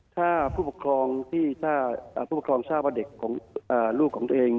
ถ้าผู้ปกครองทราบว่าเด็กของลูกของตัวเอง